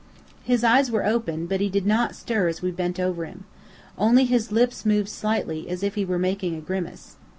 His eyes were open, but he did not stir as we bent over him. Only his lips moved slightly, as if he were making a grimace.